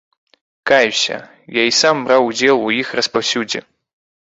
Каюся, я і сам браў удзел у іх распаўсюдзе.